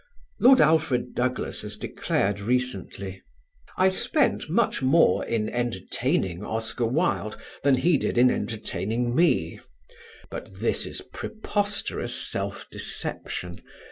Lord Alfred Douglas has declared recently: "I spent much more in entertaining Oscar Wilde than he did in entertaining me"; but this is preposterous self deception.